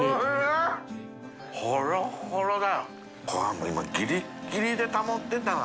もう今ギリギリで保ってた。